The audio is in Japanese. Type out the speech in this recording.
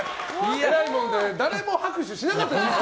えらいもんで誰も拍手しなかったですよ。